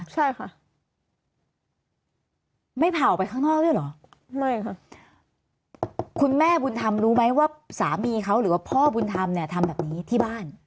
ใช่ค่ะไม่ผ่าออกไปข้างนอกด้วยเหรอไม่ค่ะคุณแม่บุญธรรมรู้ไหมว่าสามีเขาหรือว่าพ่อบุญธรรมเนี่ยทำแบบนี้ที่บ้าน